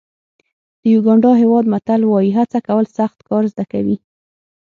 د یوګانډا هېواد متل وایي هڅه کول سخت کار زده کوي.